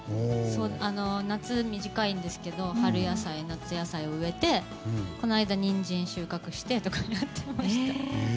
夏短いんですけど夏野菜、春野菜を植えてこの間、ニンジン収穫してとかやってました。